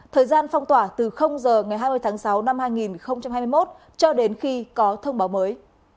thời gian phong tỏa từ giờ ngày hai mươi tháng sáu năm hai nghìn hai mươi một cho đến khi có thông báo mới